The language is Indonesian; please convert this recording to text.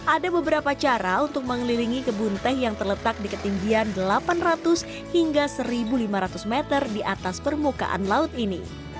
ada beberapa cara untuk mengelilingi kebun teh yang terletak di ketinggian delapan ratus hingga seribu lima ratus meter di atas permukaan laut ini